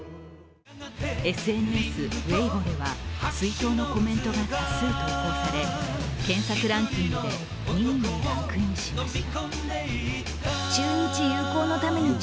ＳＮＳ、Ｗｅｉｂｏでは追悼のコメントが多数投稿され検索ランキングで２位にランクインしました。